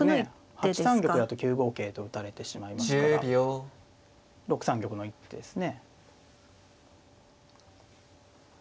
８三玉だと９五桂と打たれてしまいますから６三玉の一手ですね。